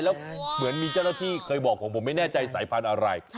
แล้วเหมือนมีเจ้าหน้าที่เคยบอกของผมไม่แน่ใจสายพันธุ์อะไร